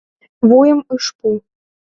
Вуйым ыш пу.